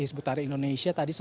hizbut tahrir indonesia tadi